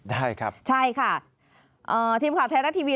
ได้ครับใช่ค่ะทีมข่าวไทยรัฐทีวี